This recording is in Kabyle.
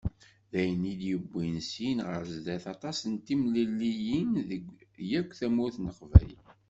D ayen i d-yewwin syin ɣer sdat aṭas n temliliyin deg yakk tamurt n Leqbayel.